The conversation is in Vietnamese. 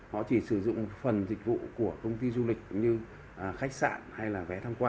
họ chỉ sử dụng phần dịch vụ của công ty du lịch như khách sạn hay là vé tham quan